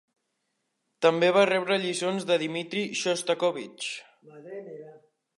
També va rebre lliçons de Dmitri Xostakóvitx.